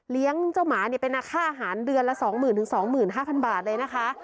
เลี้ยงเจ้าหมาเนี่ยเป็นค่าอาหารเดือนละ๒หมื่นถึง๒หมื่น๕พันบาทเลยนะคะ